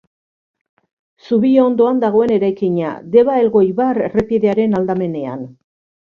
Zubi ondoan dagoen eraikina, Deba-Elgoibar errepidearen aldamenean.